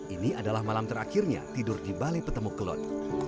ini adalah malam terakhirnya tidur di balai petemu kelon